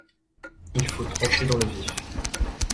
Il faut trancher dans le vif…